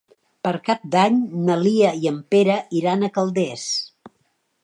Per Cap d'Any na Lia i en Pere iran a Calders.